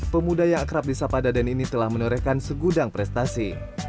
pemuda yang akrab di sapa daden ini telah menorehkan segudang prestasi